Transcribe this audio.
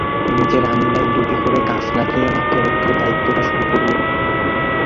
নিজের আঙিনায় দুটি করে গাছ লাগিয়ে মাকে রক্ষার দায়িত্বটা শুরু করব।